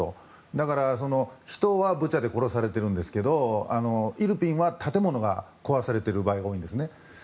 だから、人はブチャで殺されてるんですがイルピンは建物が壊されてる場合が多いんですね。